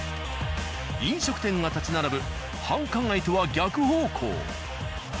飲食店が立ち並ぶ繁華街とは逆方向。